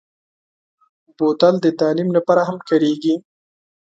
بوتل د تعلیم لپاره هم کارېږي.